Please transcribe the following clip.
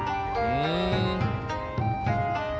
うん。